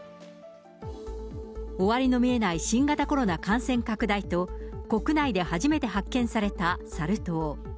終わりの見えない新型コロナ感染拡大と、国内で初めて発見されたサル痘。